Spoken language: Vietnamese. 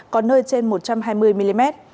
có nơi trên một trăm hai mươi mm